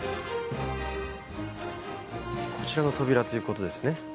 こちらの扉ということですね。